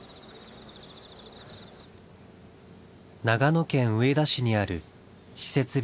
長野県上田市にある私設